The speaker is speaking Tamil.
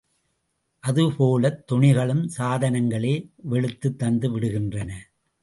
அதேபோலத் துணிகளும் சாதனங்களே வெளுத்துத் தந்துவிடுகின்றன.